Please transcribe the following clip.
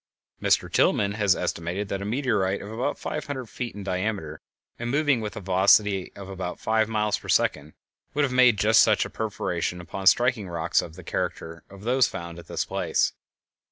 Mr Tilghman has estimated that a meteorite about five hundred feet in diameter and moving with a velocity of about five miles per second would have made just such a perforation upon striking rocks of the character of those found at this place.